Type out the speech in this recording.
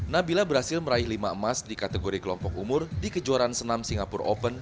nabila berhasil meraih lima emas di kategori kelompok umur di kejuaraan senam singapura open